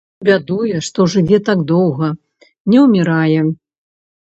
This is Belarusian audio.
Бядуе, што жыве так доўга, не ўмірае.